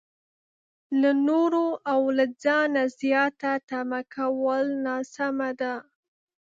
له نورو او له ځانه زياته تمه کول ناسمه ده.